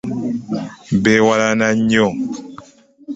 Beewalana nnyo.